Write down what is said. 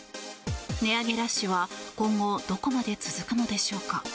値上げラッシュは今後どこまで続くのでしょうか。